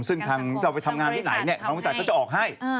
ซึ่งถ้าเราไปทำงานที่ไหนบริษัทก็จะออกให้